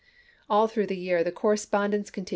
All through the year the correspondence con 1862.